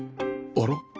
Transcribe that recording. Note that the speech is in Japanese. あら？